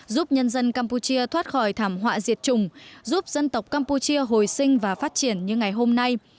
giúp nhân dân campuchia thoát khỏi thảm họa diệt chủng giúp dân tộc campuchia hồi sinh và phát triển như ngày hôm nay